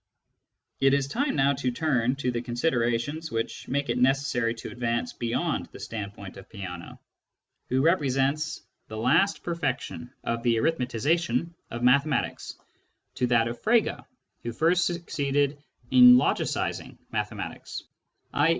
It is time now to turn to the considerations which make it necessary to advance beyond the standpoint of Peano, who The Series of Natural Numbers 7 represents the last perfection of the " arithmetisation " of mathematics, to that of Frege, who first succeeded in " logicising " mathematics, i.